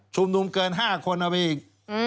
นุมเกิน๕คนเอาไปอีก